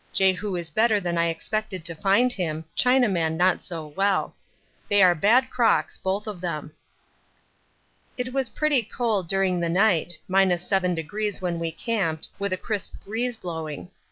Jehu is better than I expected to find him, Chinaman not so well. They are bad crocks both of them. It was pretty cold during the night, 7° when we camped, with a crisp breeze blowing.